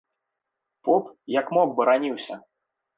Поп, як мог, бараніўся.